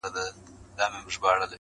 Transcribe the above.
لمبو وهلی سوځولی چنار؛